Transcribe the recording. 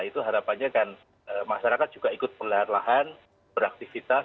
itu harapannya kan masyarakat juga ikut perlahan lahan beraktivitas